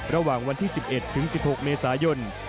ระหว่างวันที่๑๑ถึง๑๖เมษายน